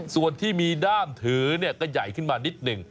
ส่วนที่มีด้ามถือก็ใหญ่ขึ้นมานิดหนึ่ง